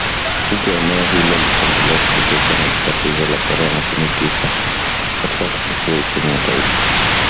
Huku eneo hilo likiendelea kutikiswa na tatizo la korona kumi tisa katika kufufua uchumi wa taifa